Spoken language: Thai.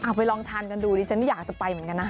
ไปลองทานกันดูดิฉันอยากจะไปเหมือนกันนะ